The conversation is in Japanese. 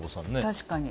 確かに。